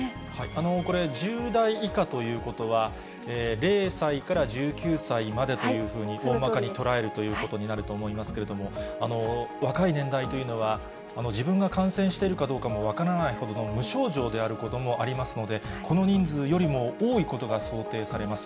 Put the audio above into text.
これ、１０代以下ということは、０歳から１９歳までというふうに、大まかに捉えるということになりますけれども、若い年代というのは、自分が感染しているかどうかも分からないほどの、無症状であることもありますので、この人数よりも多いことが想定されます。